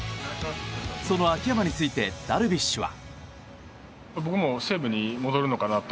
その秋山についてダルビッシュは。